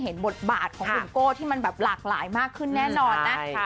บทบาทของหนุ่มโก้ที่มันแบบหลากหลายมากขึ้นแน่นอนนะคะ